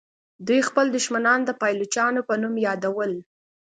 دوی خپل دښمنان د پایلوچانو په نوم یادول.